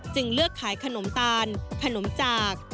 เลือกขายขนมตาลขนมจาก